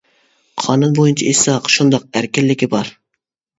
قانۇن بويىچە ئېيتساق شۇنداق ئەركىنلىكى بار.